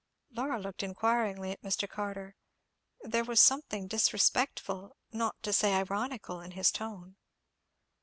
Laura looked inquiringly at Mr. Carter. There was something disrespectful, not to say ironical, in his tone.